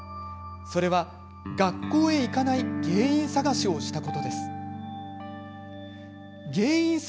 それは、学校へ行かない原因探しをしたことです。